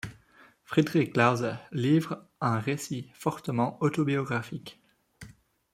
Friedrich Glauser livre un récit fortement autobiographique.